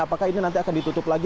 apakah ini nanti akan ditutup lagi